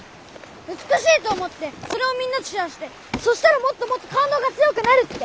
美しいと思ってそれをみんなとシェアしてそしたらもっともっとかんどうが強くなるって。